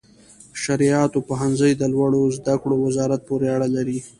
شرعیاتو پوهنځي د لوړو زده کړو وزارت پورې اړه لري.